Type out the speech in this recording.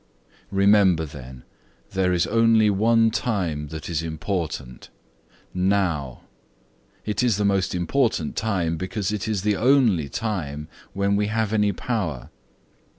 Remember then: there is only one time that is important Now! It is the most important time because it is the only time when we have any power.